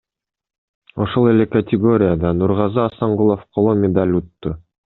Ошол эле категорияда Нургазы Асангулов коло медаль утту.